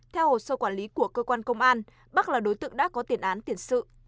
theo hồ sơ quản lý của cơ quan công an bác là đối tượng đã có tiền án